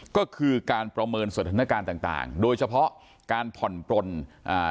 ก็คือการประเมินสถานการณ์ต่างต่างโดยเฉพาะการผ่อนปลนอ่า